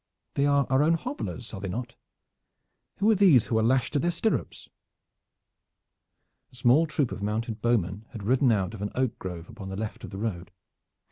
They are our own hobblers, are they not? And who are these who are lashed to their stirrups?" A small troop of mounted bowmen had ridden out of an oak grove upon the left of the road.